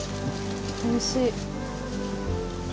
おいしい。